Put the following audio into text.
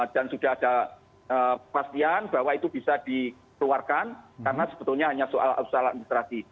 dan sudah ada perpastian bahwa itu bisa dikeluarkan karena sebetulnya hanya soal administrasi